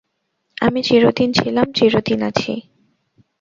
আমি চিরদিন ছিলাম, চিরদিন আছি।